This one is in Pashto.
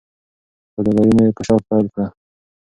سوداګري مې په شوق پیل کړه.